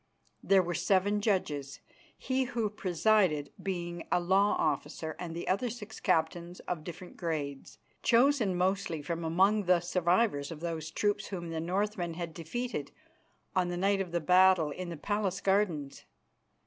There were seven judges, he who presided being a law officer, and the other six captains of different grades, chosen mostly from among the survivors of those troops whom the Northmen had defeated on the night of the battle in the palace gardens.